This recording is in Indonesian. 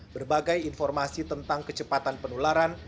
berbagai informasi tentang kecepatan penularan